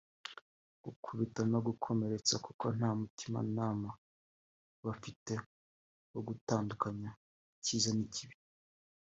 gukubita no gukomeretsa kuko nta mutimanama aba afite wo gutandukanya icyiza n’icyibi